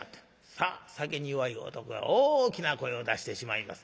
さあ酒に弱い男が大きな声を出してしまいます。